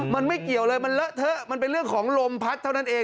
มันไม่เกี่ยวเลยมันเลอะเทอะมันเป็นเรื่องของลมพัดเท่านั้นเอง